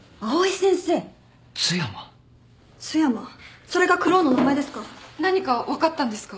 津山それがクロウの名前ですか？